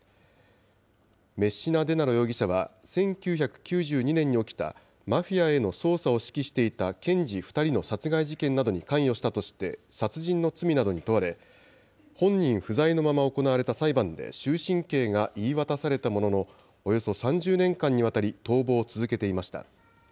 メッシナデナロ容疑者は、１９９２年に起きたマフィアへの捜査を指揮していた検事２人の殺害事件などに関与したとして殺人の罪などに問われ、本人不在のまま行われた裁判で、終身刑が言い渡されたものの、およそ３０年間にわたり、逃亡を続けていました。